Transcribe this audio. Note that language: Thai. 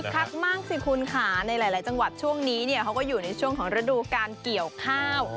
คักมากสิคุณค่ะในหลายจังหวัดช่วงนี้เนี่ยเขาก็อยู่ในช่วงของฤดูการเกี่ยวข้าว